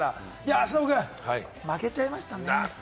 忍君、負けちゃいましたね。